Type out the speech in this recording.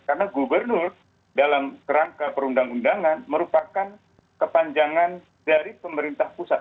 karena gubernur dalam rangka perundang undangan merupakan kepanjangan dari pemerintah pusat